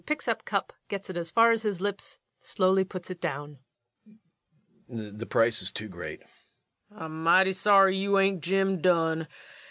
[Picking up cup, getting it as far as his lips, slowly puts it down.] The price is too great. LUKE. I'm mighty sorry you ain't Jim Dunn.